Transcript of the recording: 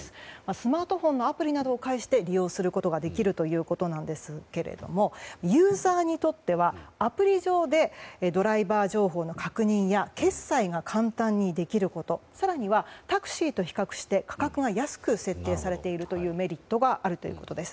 スマートフォンのアプリなどを介して利用することができるということなんですがユーザーにとってはアプリ上でドライバー情報の確認や決済が簡単にできること更にはタクシーと比較して価格が安く設定されているというメリットがあるということです。